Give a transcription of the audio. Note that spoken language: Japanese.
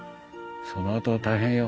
そのあとは大変よ。